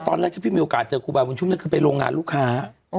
ตอนแรกที่พี่มีโอกาสเจอครูบาบุญชุมนั่นคือไปโรงงานลูกค้า